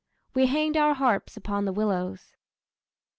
We hanged our harps upon the willows....